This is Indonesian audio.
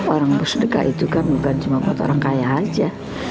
orang bersedekah itu kan bukan cuma buat orang kaya aja